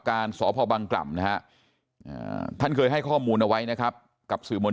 การสพบังกล่ำนะฮะท่านเคยให้ข้อมูลเอาไว้นะครับกับสื่อมวลชน